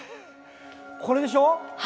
これでしょ。